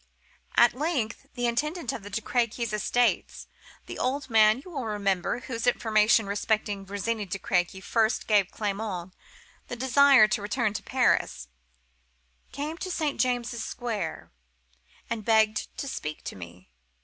"At length the intendant of the De Crequy estates—the old man, you will remember, whose information respecting Virginie de Crequy first gave Clement the desire to return to Paris,—came to St. James's Square, and begged to speak to me.